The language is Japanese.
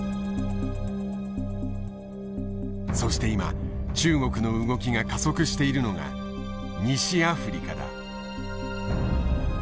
そして今中国の動きが加速しているのが西アフリカだ。